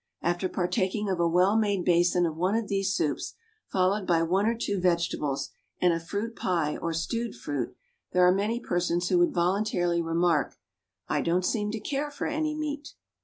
After partaking of a well made basin of one of these soups, followed by one or two vegetables and a fruit pie or stewed fruit, there are many persons who would voluntarily remark, "I don't seem to care for any meat."